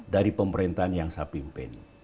dari pemerintahan yang saya pimpin